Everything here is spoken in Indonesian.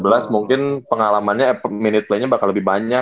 bener kalau di sebelas mungkin pengalamannya minute playnya bakal lebih banyak